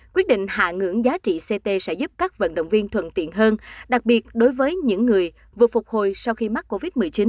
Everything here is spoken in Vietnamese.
quyết định hạ ngưỡng giá trị ct sẽ giúp các vận động viên thuận tiện hơn đặc biệt đối với những người vừa phục hồi sau khi mắc covid một mươi chín